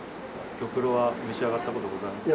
玉露は召し上がった事ございますか？